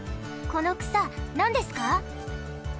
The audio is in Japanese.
この草なんですか？